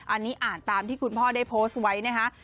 อันนี้อ่านตามที่คุณพ่อได้โพสต์ไว้นะคะ